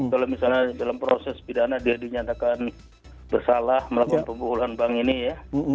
kalau misalnya dalam proses pidana dia dinyatakan bersalah melakukan pemukulan bank ini ya